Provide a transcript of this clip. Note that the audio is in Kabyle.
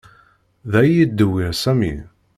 Da i yeddewwir Sami.